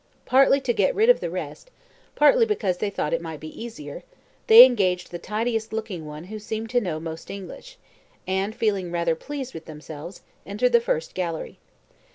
Partly to get rid of the rest, partly because they thought it might be easier, they engaged the tidiest looking one who seemed to know most English, and, feeling rather pleased with themselves, entered the first gallery.